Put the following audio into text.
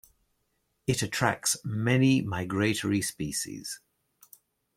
It attracts many migratory species.